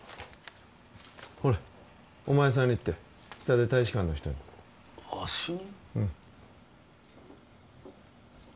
ほれお前さんにって下で大使館の人にわしに？